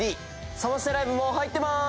サマステライブも入ってます。